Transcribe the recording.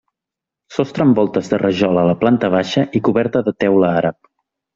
Sostre amb voltes de rajol a la planta baixa i coberta de teula àrab.